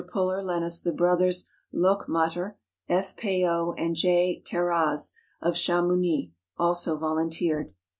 Puller lent us the brothers Loch matter ; F. Payot and J. Tairraz, of Chamounix, also volunteered.